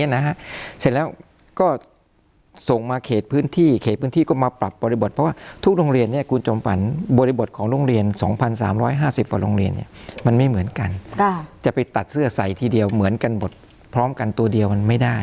๓๔๓ห้าสิบป่อดโรงเรียนมันไม่เหมือนกันจะไปตัดเสื้อใส่ทีเดียวเหมือนกันพร้อมกันตัวเดียวมันไม่ได้